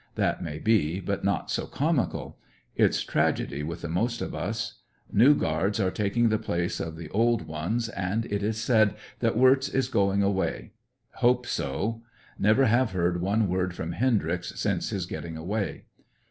That may be, but not so comical. It's tragedy with the most of us. New guards are taking the place of the old ones, and it is said that Wirtz is going away. Hope so. Never have heard one word from Hendryx since his getting away.